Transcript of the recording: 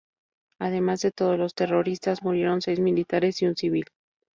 Además de todos los terroristas, murieron seis militares y un civil.